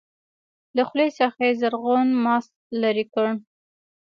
له خولې څخه يې زرغون ماسک لرې کړ.